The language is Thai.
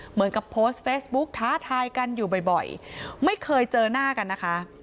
เหมือนกับโพสต์เฟซบุ๊กท้าทายกันอยู่บ่อยไม่เคยเจอหน้ากันนะคะ